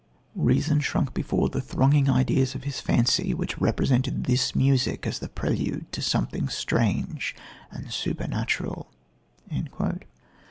reason shrunk before the thronging ideas of his fancy, which represented this music as the prelude to something strange and supernatural."